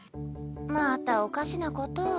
またおかしなことを。